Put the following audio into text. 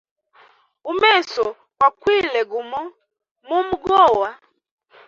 Umeso kwa kwile gumo, mume gowa.